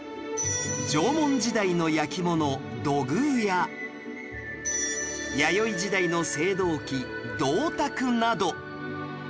縄文時代の焼き物土偶や弥生時代の青銅器銅鐸など